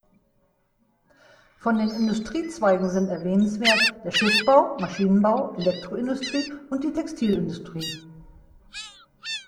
Von den Industriezweigen sind erwähnenswert: der Schiffbau, Maschinenbau, Elektroindustrie und die Textilindustrie.